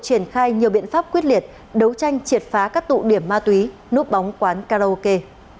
triển khai nhiều biện pháp quyết liệt đấu tranh triệt phá các tụ điểm ma túy núp bóng quán karaoke